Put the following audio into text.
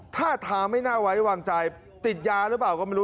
ท่าทางไม่น่าไว้วางใจติดยาหรือเปล่าก็ไม่รู้